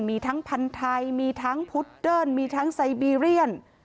มีทั้งพันธุ์ไทยมีทั้งพุดเดิ้นมีทั้งไซบีเรียน